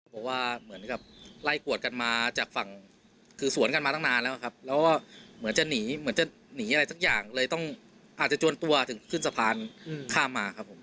บอกว่าเหมือนกับไล่กวดกันมาจากฝั่งคือสวนกันมาตั้งนานแล้วครับแล้วก็เหมือนจะหนีเหมือนจะหนีอะไรสักอย่างเลยต้องอาจจะจวนตัวถึงขึ้นสะพานข้ามมาครับผม